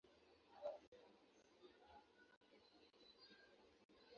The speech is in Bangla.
বিহারী এই চিরপুত্রহীনা রমণীর স্নেহ-সিংহাসনে পুত্রের মানস-আদর্শরূপে বিরাজ করিত।